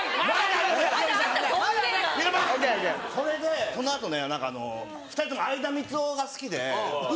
それでその後ね２人とも相田みつをが好きで。